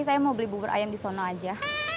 saya mau beli bubur ayam di sana aja